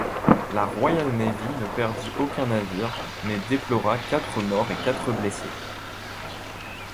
La Royal Navy ne perdit aucun navire, mais déplora quatre morts et quatre blessés.